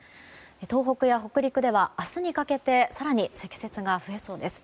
東北や北陸では明日にかけて更に積雪が増えそうです。